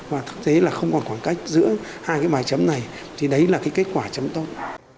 và thực tế là không còn khoảng cách giữa hai cái bài chấm này thì đấy là cái kết quả chấm tốt